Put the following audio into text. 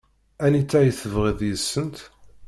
Anita i tebɣiḍ deg-sent?